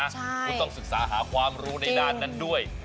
คุณต้องศึกษาหาความรู้ในด้านนั้นด้วย